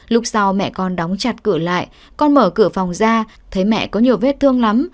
lúc sau mẹ con đóng chặt cửa lại con mở cửa phòng ra thấy mẹ có nhiều vết thương lắm